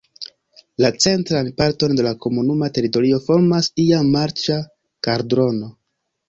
La centran parton de la komunuma teritorio formas iam marĉa kaldrono.